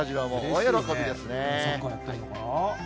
サッカーやってるのかな。